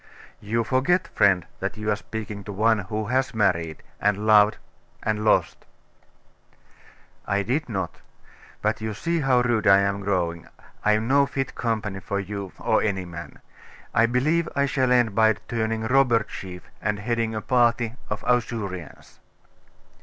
'You forget, friend, that you are speaking to one who has married, and loved and lost.' 'I did not. But you see how rude I am growing. I am no fit company for you, or any man. I believe I shall end by turning robber chief, and heading a party of Ausurians.